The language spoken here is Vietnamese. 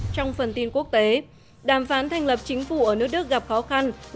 trong phần tin quốc tế đàm phán thành lập chính phủ ở nước đức gặp khó khăn